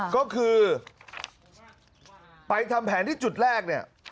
ก็คือไปทำแผนที่จุดแรกเนี่ย